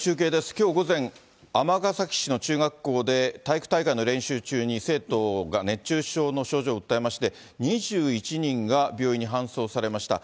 きょう午前、尼崎市の中学校で、体育大会の練習中に生徒が熱中症の症状を訴えまして、２１人が病院に搬送されました。